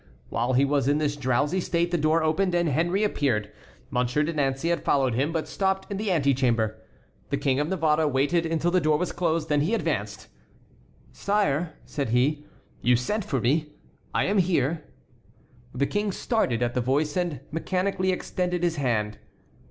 While he was in this drowsy state the door opened and Henry appeared. Monsieur de Nancey had followed him, but stopped in the antechamber. The King of Navarre waited until the door was closed. Then he advanced. "Sire," said he, "you sent for me; I am here." The King started at the voice and mechanically extended his hand.